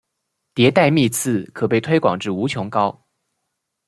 迭代幂次可被推广至无穷高。